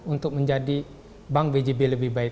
untuk menjadi bank bjb lebih baik